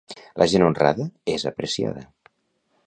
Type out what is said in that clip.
La gent honrada és apreciada.